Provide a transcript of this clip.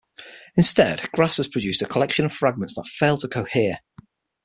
Instead Grass has produced a collection of fragments that fail to cohere.